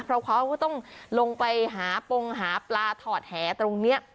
เพราะเขาก็ต้องลงไปหาปงหาปลาถอดแหตรงนี้